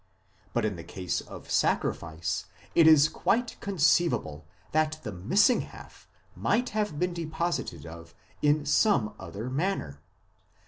But in the case of sacrifice it is quite conceivable that the missing half might have been disposed of in some other manner.